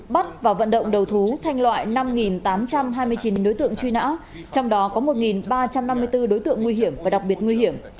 bắt và vận động đầu thú thanh loại năm tám trăm hai mươi chín đối tượng truy nã trong đó có một ba trăm năm mươi bốn đối tượng nguy hiểm và đặc biệt nguy hiểm